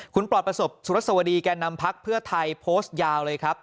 คุณปลอดประสบสุรสวดีแก่นำพักเพื่อไทยโพสต์ยาวเลยครับ